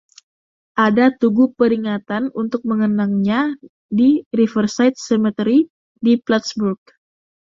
Ada tugu peringatan untuk mengenangnya di Riverside Cemetery di Plattsburgh.